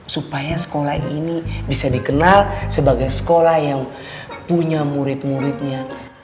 supaya sekolah ini bisa dikenal sebagai sekolah yang punya murid muridnya